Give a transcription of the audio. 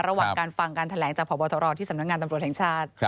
ระหว่างการฟังการแถลงจากพบตรที่สำนักงานตำรวจแห่งชาติ